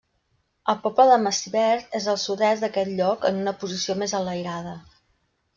El poble de Massivert és al sud-est d'aquest lloc, en una posició més enlairada.